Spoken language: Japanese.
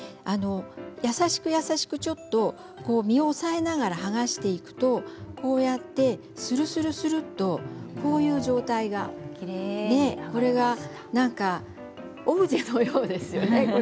優しく優しく身を押さえながら剥がしていくとこうやって、するするするっとこういう状態がオブジェのようですよね。